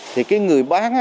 thì cái người bán là người ta